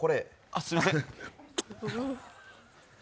あっ、すいません。